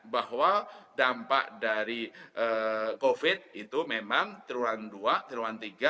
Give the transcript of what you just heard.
bahwa dampak dari covid itu memang triwulan dua triwulan tiga